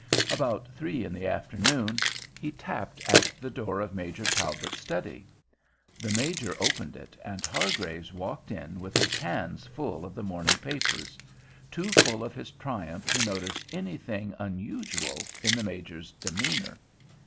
About three in the afternoon he tapped at the door of Major Talbot's study. The Major opened it, and Hargraves walked in with his hands full of the morning papers—too full of his triumph to notice anything unusual in the Major's demeanor.